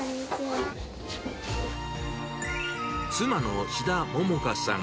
妻の志田桃華さん